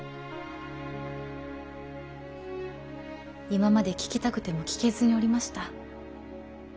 今まで聞きたくても聞けずにおりました。